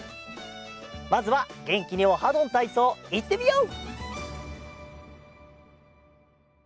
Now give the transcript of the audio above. まずはげんきに「オハどんたいそう」いってみよう！